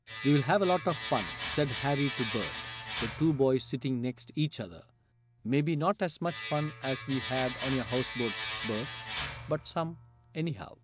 "We'll have a lot of fun," said Harry to Bert, the two boys sitting next each other. "Maybe not as much fun as we had on your houseboat, Bert, but some, anyhow."